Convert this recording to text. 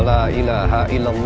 dibantu dibantu kan